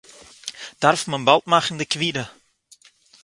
דאַרף מען באַלד מאַכן די קבורה